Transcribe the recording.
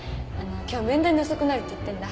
今日面談で遅くなるって言ってんだ